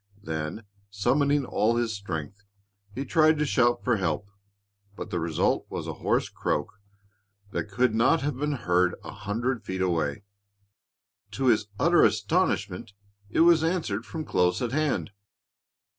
Then, summoning all his strength, he tried to shout for help, but the result was a hoarse croak that could not have been heard a hundred feet away. To his utter astonishment it was answered from close at hand.